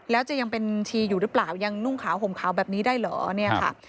แล้วจะยังเป็นชีอยู่หรือเปล่ายังนุ่งขาวห่มขาวแบบนี้ได้เหรอเนี่ยค่ะ